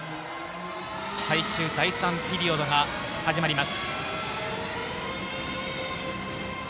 最終第３ピリオドが始まります。